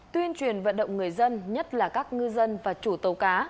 tuyên truyền vận động người dân nhất là các ngư dân và chủ tàu cá